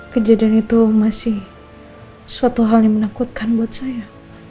kejadian itu masih suatu hal yang menakutkan buat saya